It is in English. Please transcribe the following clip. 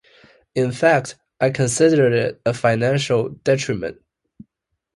In fact, I considered it a financial detriment.